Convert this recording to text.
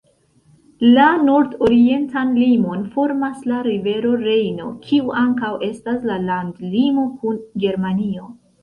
La nordorientan limon formas la rivero Rejno, kiu ankaŭ estas la landlimo kun Germanio.